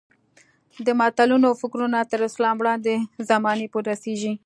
د متلونو فکرونه تر اسلام وړاندې زمانې پورې رسېږي